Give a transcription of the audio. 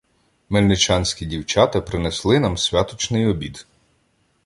Мельничанські дівчата принесли нам святочний обід.